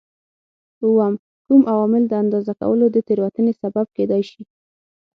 اووم: کوم عوامل د اندازه کولو د تېروتنې سبب کېدای شي؟